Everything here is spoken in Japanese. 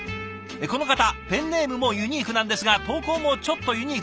この方ペンネームもユニークなんですが投稿もちょっとユニークでして。